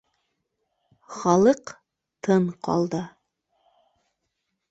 Халыҡ тын ҡалды